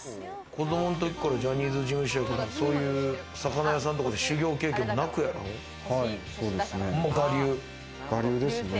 子供の時からジャニーズ事務所にいると、そういう魚屋さんとかで修行経験我流ですね。